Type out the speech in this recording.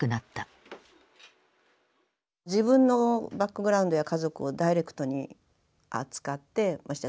自分のバックグラウンドや家族をダイレクトに扱ってましてや